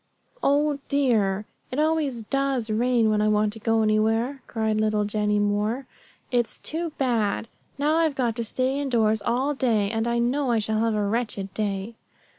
"Oh, dear! it always does rain when I want to go anywhere," cried little Jennie Moore. "It's too bad! Now I've got to stay in doors all day, and I know I shall have a wretched day."